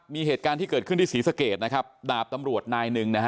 มีเหตุการณ์ที่เกิดขึ้นที่ศรีสเกตดาบตำรวจนายนึง